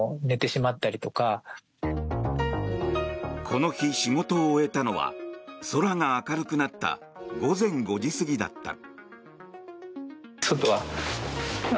この日、仕事を終えたのは空が明るくなった午前５時過ぎだった。